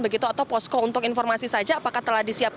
begitu atau posko untuk informasi saja apakah telah disiapkan